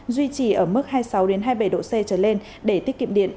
duy trì ở mức hai mươi sáu hai mươi bảy độ c trở lên để tiết kiệm điện